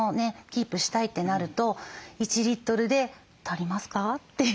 キープしたいってなると１リットルで足りますか？という。